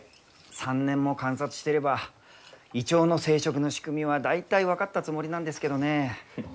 ３年も観察してればイチョウの生殖の仕組みは大体分かったつもりなんですけどね。